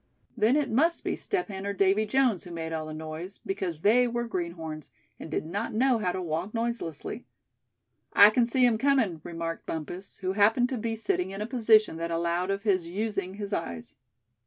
Then it must be Step Hen or Davy Jones who made all the noise, because they were greenhorns, and did not know how to walk noiselessly. "I c'n see 'em comin'," remarked Bumpus, who happened to be sitting in a position that allowed of his using his eyes.